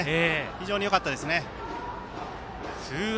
非常によかったですね。